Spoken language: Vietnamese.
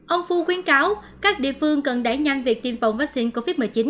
ông phu khuyến cáo các địa phương cần đẩy nhanh việc tiêm phòng vaccine covid một mươi chín